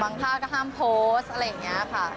ท่าก็ห้ามโพสต์อะไรอย่างนี้ค่ะ